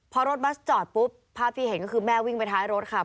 พอรถบัสจอดปุ๊บภาพที่เห็นก็คือแม่วิ่งไปท้ายรถค่ะ